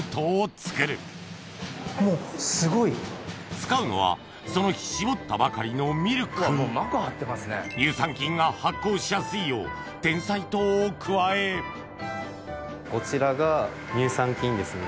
使うのはその日搾ったばかりのミルク乳酸菌が発酵しやすいよう甜菜糖を加えこちらが乳酸菌ですね。